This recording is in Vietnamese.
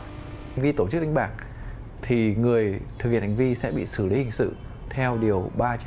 hành vi tổ chức đánh bạc thì người thực hiện hành vi sẽ bị xử lý hình sự theo điều ba trăm sáu mươi